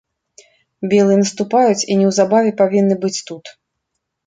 Белыя наступаюць і неўзабаве павінны быць тут.